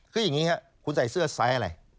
คืออย่างนี้ครับคุณใส่เสื้อไซส์อะไร